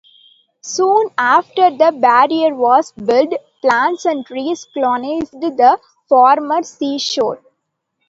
Soon after the barrier was built, plants and trees colonised the former seashore.